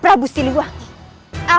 prajurit bawa ia